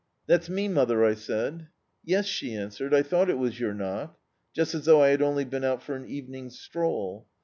"That's me, mother," I said. "Yes," «he answered, "I thought it was your knock," just as though I had only been out for an evening's stroll.